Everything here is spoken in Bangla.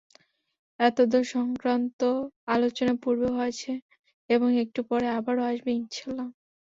এতদসংক্রান্ত আলোচনা পূর্বেও হয়েছে এবং একটু পরে আবারো আসবে ইনশাআল্লাহ।